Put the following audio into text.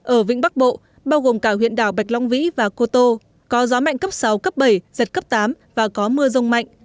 ở vĩnh bắc bộ bao gồm cả huyện đảo bạch long vĩ và cô tô có gió mạnh cấp sáu cấp bảy giật cấp tám và có mưa rông mạnh